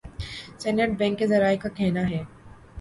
state bank کے ذرائع کا کہناہے